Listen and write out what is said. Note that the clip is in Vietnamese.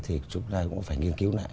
thì chúng ta cũng phải nghiên cứu lại